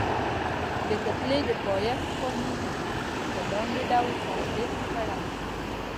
د کتلې د پایښت قانون په لنډ ډول تشریح کړئ.